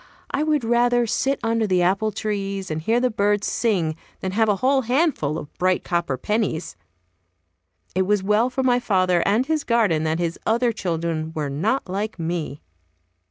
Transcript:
I would rather sit under the apple trees and hear the birds sing than have a whole handful of bright copper pennies. It was well for my father and his garden that his other children were not like me.